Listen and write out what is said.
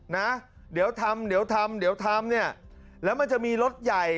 นะเดี๋ยวทำเนี่ยแล้วมันจะมีรถใหญ่